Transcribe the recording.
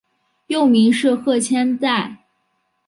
幼名是鹤千代。